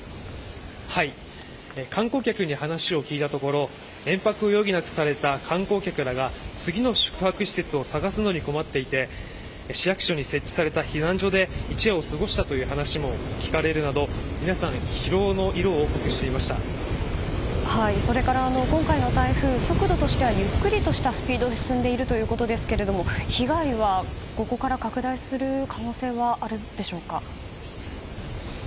観光客に話を聞いたところ延泊を余儀なくされた観光客らが次の宿泊施設を探すのに困っていて市役所に設置された避難所で一夜を過ごしたという話も聞かれるなど皆さん、疲労の色をそれから、今回の台風速度としてはゆっくりとしたスピードで進んでいるということですけれども被害はここから拡大する可能性はあるでしょうか。